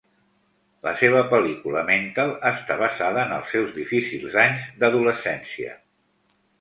La seva pel·lícula "Mental" està basada en els seus difícils anys d'adolescència.